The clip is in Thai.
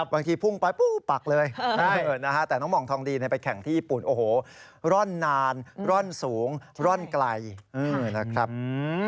บางทีพุ่งไปปุ๊บปักเลยแต่น้องห่องทองดีไปแข่งที่ญี่ปุ่นโอ้โหร่อนนานร่อนสูงร่อนไกลนะครับ